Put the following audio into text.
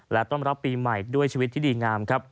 และต้อนรับปีใหม่ด้วยชีวิตที่ดีงามครับ